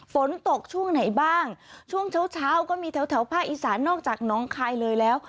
ฝนตกช่วงไหนบ้างช่วงเช้าเช้าก็มีแถวภาคอีสานนอกจากน้องคายเลยแล้ว